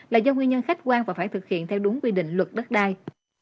là do nguyên nhân khách quan và phải thực hiện theo đúng quy định luật đất đai